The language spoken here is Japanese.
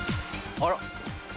あら。